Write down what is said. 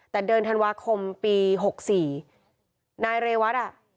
แต่เดือนธันวาคมปี๖๔นายเรวัตอ่ะ